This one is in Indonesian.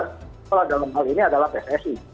kepala dalam hal ini adalah pssi